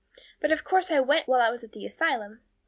But of course I went while I was at the asylum.